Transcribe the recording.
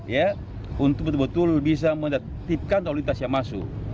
ya untuk betul betul bisa menetapkan olitas yang masuk